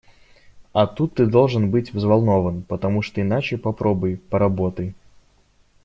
А тут ты должен быть взволнован, потому что иначе попробуй, поработай.